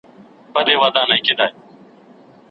ما مي له ژوندون سره یوه شېبه منلې ده